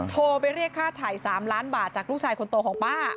โทรไปเรียกค่าถ่าย๓ล้านบาทจากลูกชายคนโตของป้า